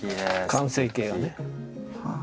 完成形がね。